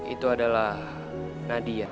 itu adalah nadia